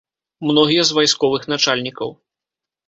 Многія з вайсковых начальнікаў.